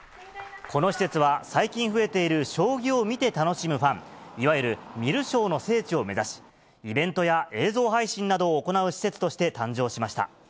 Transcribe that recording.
この施設は、最近増えている将棋を見て楽しむファン、いわゆる観る将の聖地を目指し、イベントや映像配信などを行う施設として誕生しました。